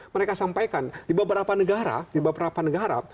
mereka sampaikan di beberapa negara